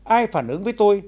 ai phản ứng với tôi